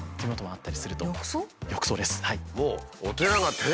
浴槽です。